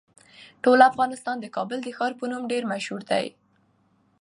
ټول افغانستان د کابل د ښار په نوم ډیر مشهور دی.